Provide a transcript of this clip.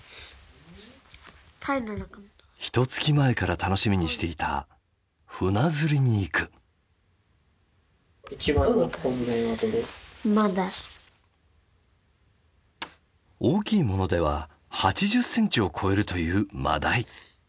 ひとつき前から楽しみにしていた船釣りに行く。大きいものでは８０センチを超えるというマダイ！